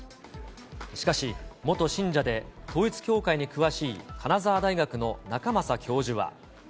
しかし、元信者で統一教会に詳しい金沢大学の仲正教授は。